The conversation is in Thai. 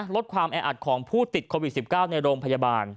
ลดความแออัดของผู้ติดโควิด๑๙ในโรงพยาบาล